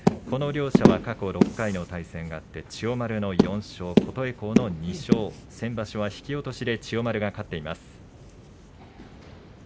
この両者は過去６回の対戦があって、千代丸の４勝琴恵光の２勝先場所は引き落として千代丸が勝っています。